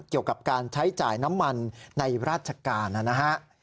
เกี่ยวกับการใช้จ่ายน้ำมันในราชการนะฮะ